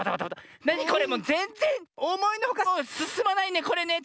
なにこれもうぜんぜんおもいのほかすすまないねこれねって。